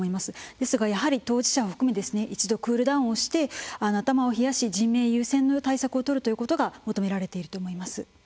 ですが、やはり当事者を含め一度クールダウンをして頭を冷やし、人命優先の対策をとるということが求められていると思います。